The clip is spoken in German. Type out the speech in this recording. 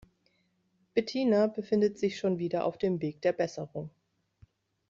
Bettina befindet sich schon wieder auf dem Weg der Besserung.